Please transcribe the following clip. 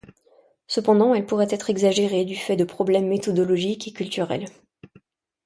Cependant, elle pourrait être exagérée du fait de problèmes méthodologiques et culturels.